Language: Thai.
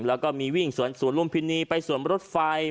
แล้วก็มีวิ่งสวนสวนลุมพินีไปสวนรถไฟ